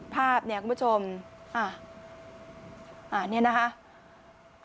ภาพนี่คุณผู้ชมอันนี้นะคะ